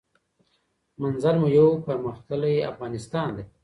منزل مو یو پرمختللی افغانستان دی.